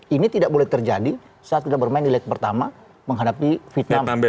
ini tidak boleh terjadi saat kita bermain di leg pertama menghadapi vietnam